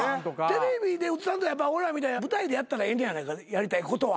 テレビで映さんとやっぱおいらみたいに舞台でやったらええんやないかやりたいことは。